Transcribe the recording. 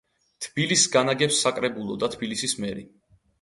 თბილისს განაგებს საკრებულო და თბილისის მერი.